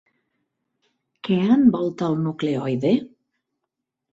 Què envolta el nucleoide?